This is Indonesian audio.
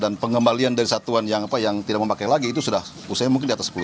dan pengembalian dari satuan yang tidak memakai lagi itu sudah usianya mungkin di atas sepuluh tahun